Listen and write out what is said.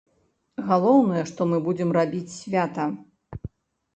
Галоўнае, што мы будзем рабіць свята!